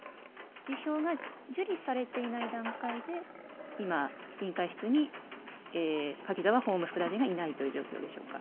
辞表が受理されていない段階で、今、委員会室に柿沢法務副大臣がいないという状況でしょうか。